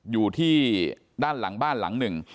อยู่ที่ด้านหลังบ้านหลังหนึ่ง